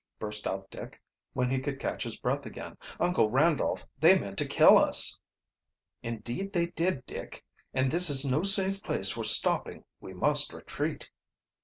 burst out Dick, when he could catch his breath again. "Uncle Randolph, they meant to kill us!" "Indeed they did, Dick. And this is no safe place for stopping. We must retreat."